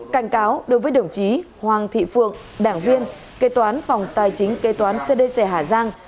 cảnh cáo đối với đồng chí hoàng thị phượng đảng viên kê toán phòng tài chính kê toán cdc hà giang